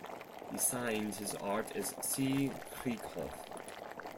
He signed his art as C. Krieghoff.